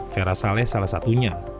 vera saleh salah satunya